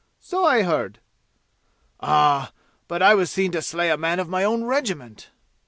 "So I heard." "Ah! But I was seen to slay a man of my own regiment."